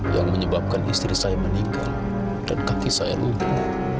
yang menyebabkan istri saya meninggal dan kaki saya runtuh